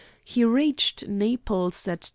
He reached Naples at 10.